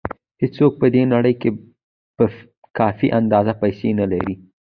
هېڅوک په دې نړۍ کې په کافي اندازه پیسې نه لري.